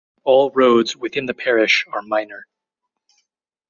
All roads within the parish are minor.